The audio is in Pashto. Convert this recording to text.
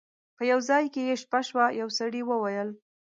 په یو ځای کې یې شپه شوه یو سړي وویل.